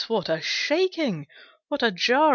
what a shaking! What a jar!